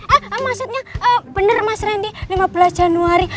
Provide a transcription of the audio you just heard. eh maksudnya bener mas randy lima belas januari